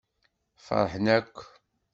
Feṛḥen akk.